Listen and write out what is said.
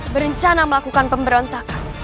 berencana melakukan pemberontakan